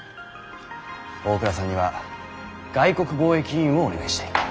大倉さんには外国貿易委員をお願いしたい。